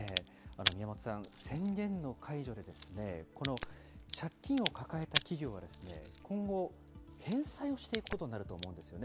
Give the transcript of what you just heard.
宮本さん、宣言の解除で、この借金を抱えた企業は、今後、返済をしていくことになると思うんですよね。